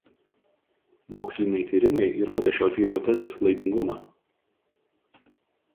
Moksliniai tyrimai įrodė šios hipotezės klaidingumą.